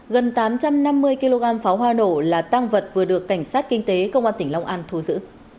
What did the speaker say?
gần tám trăm năm mươi kg pháo hoa nổ là tăng vật vừa được cảnh sát kinh tế công an tỉnh long an thu giữ